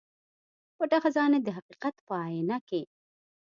پټه خزانه د حقيقت په اينه کې